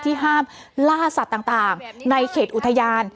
ห้ามล่าสัตว์ต่างในเขตอุทยาน